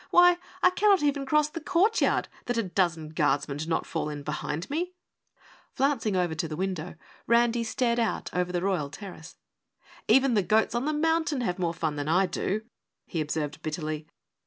Why, I cannot even cross the courtyard, that a dozen guardsmen do not fall in behind me!" Flouncing over to the window, Randy stared out over the royal terrace. "Even the goats on the mountain have more fun than I do," he observed bitterly.